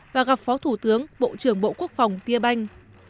và gặp phó thủ tướng bộ trưởng bộ quốc phòng tia banh